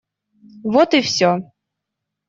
Вот и все.